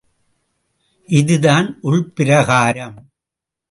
இதுதான் உள் பிராகாரம்.